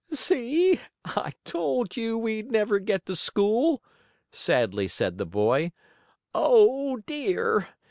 "See! I told you we'd never get to school," sadly said the boy. "Oh, dear!